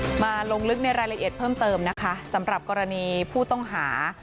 มาลงลึกในรายละเอียดเพิ่มเติมนะคะสำหรับกรณีผู้ต้องหา